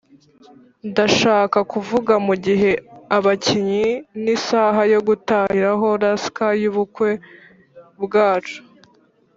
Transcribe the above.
ndashaka kuvuga mugihe abakinyi nisaha yo gutahiraho rascal yubukwe bwacu,